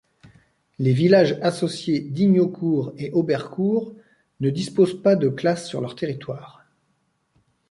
Les villages associés d'Ignaucourt et Aubercourt ne disposent pas de classe sur leur territoire.